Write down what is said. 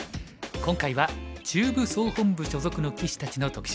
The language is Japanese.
今回は中部総本部所属の棋士たちの特集です。